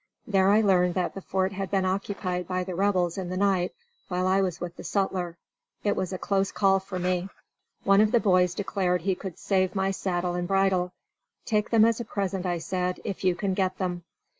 There I learned that the fort had been occupied by the Rebels in the night, while I was with the sutler. It was a close call for me. One of the boys declared he could save my saddle and bridle. "Take them as a present," I said, "if you can get them."